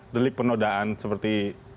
delik penodaan seperti